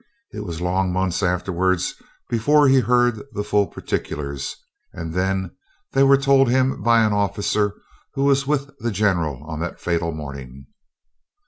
It was long months afterwards before he heard the full particulars, and then they were told him by an officer who was with the General on that fatal morning.